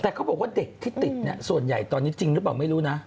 แต่เขาบอกว่าเด็กที่ติดเนี่ยส่วนใหญ่ตอนนี้จริงหรือเปล่าไม่รู้นะ